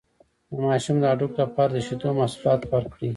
د ماشوم د هډوکو لپاره د شیدو محصولات ورکړئ